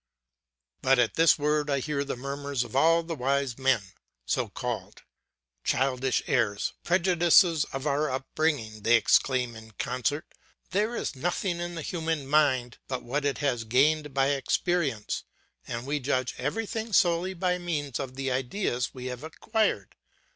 But at this word I hear the murmurs of all the wise men so called. Childish errors, prejudices of our upbringing, they exclaim in concert! There is nothing in the human mind but what it has gained by experience; and we judge everything solely by means of the ideas we have acquired.